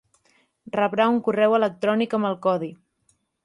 Rebrà un correu electrònic amb el codi.